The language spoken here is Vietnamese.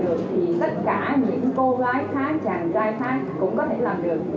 nếu có thể làm được thì tất cả những cô gái khác chàng trai khác cũng có thể làm được